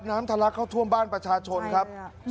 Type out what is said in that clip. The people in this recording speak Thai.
น้ำทะลักเข้าท่วมบ้านประชาชนครับเลยอ่ะ